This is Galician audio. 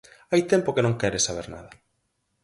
Hai tempo que non quere saber nada.